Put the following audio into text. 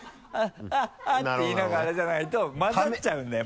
言いながらじゃないとまざっちゃうんだよ。